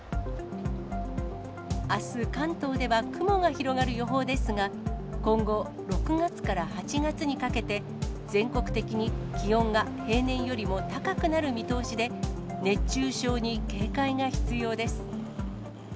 あす、関東では雲が広がる予報ですが、今後、６月から８月にかけて、全国的に気温が平年よりも高くなる見通しで、熱中症に警戒が必要です。